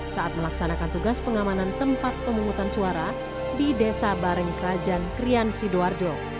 saat melaksanakan tugas pengamanan tempat pemungutan suara di desa bareng kerajaan krian sidoarjo